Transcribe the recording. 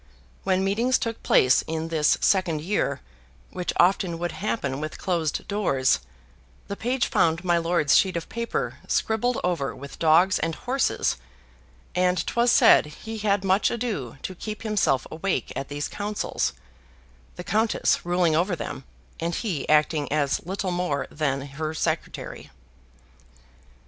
When meetings took place in this second year, which often would happen with closed doors, the page found my lord's sheet of paper scribbled over with dogs and horses, and 'twas said he had much ado to keep himself awake at these councils: the Countess ruling over them, and he acting as little more than her secretary.